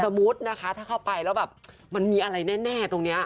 มุตินะคะถ้าเข้าไปแล้วแบบมันมีอะไรแน่ตรงนี้